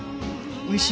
おいしい。